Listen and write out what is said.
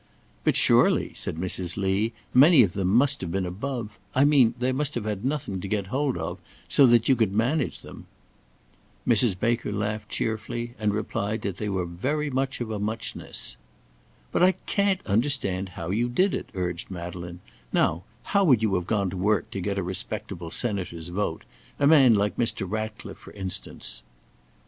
"But surely," said Mrs. Lee, "many of them must have been above I mean, they must have had nothing to get hold of; so that you could manage them." Mrs. Baker laughed cheerfully and remarked that they were very much of a muchness. "But I can't understand how you did it," urged Madeleine; "now, how would you have gone to work to get a respectable senator's vote a man like Mr. Ratcliffe, for instance?"